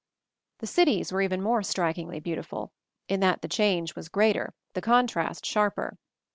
The cities were even more strikingly beau tiful, in that the change was greater, the contrast sharper.